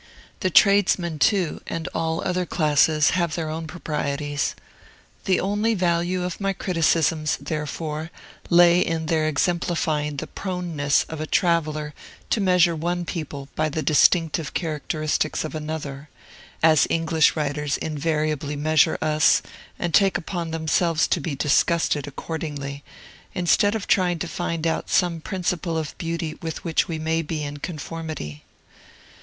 The tradesmen, too, and all other classes, have their own proprieties. The only value of my criticisms, therefore, lay in their exemplifying the proneness of a traveller to measure one people by the distinctive characteristics of another, as English writers invariably measure us, and take upon themselves to be disgusted accordingly, instead of trying to find out some principle of beauty with which we may be in conformity.